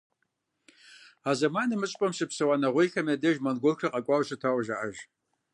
А зэманым мы щӀыпӀэхэм щыпсэуа нэгъуейхэм я деж монголхэр къакӀуэу щытауэ жаӀэж.